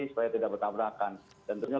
supaya tidak bertabrakan tentunya